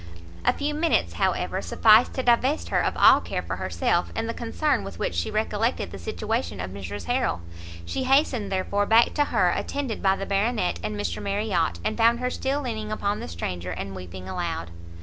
A few minutes, however, sufficed to divest her of all care for herself, in the concern with which she recollected the situation of Mrs Harrel; she hastened, therefore, back to her, attended by the Baronet and Mr Marriot, and found her still leaning upon the stranger, and weeping aloud.